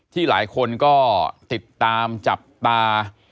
หลายคนก็ติดตามจับตา